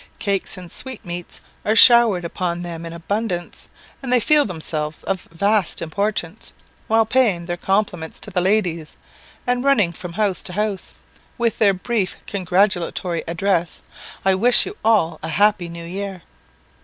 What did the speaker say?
Cakes and sweetmeats are showered upon them in abundance, and they feel themselves of vast importance, while paying their compliments to the ladies, and running from house to house, with their brief congratulatory address "I wish you all a happy New Year!"